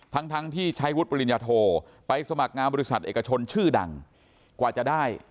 ทั้งทั้งที่ใช้วุฒิปริญญาโทไปสมัครงานบริษัทเอกชนชื่อดังกว่าจะได้